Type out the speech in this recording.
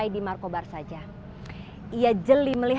ya buat anak istri lah